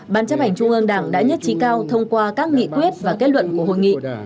ban chấp hành trung ương đảng đã nhất trí cao thông qua các nghị quyết và kết luận của hội nghị